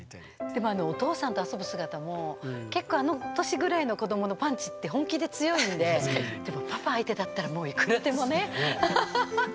でもあのお父さんと遊ぶ姿も結構あの年ぐらいの子どものパンチって本気で強いんででもパパ相手だったらもういくらでもね。アハハハッ。